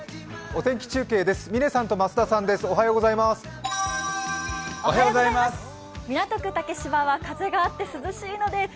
お天気中継です。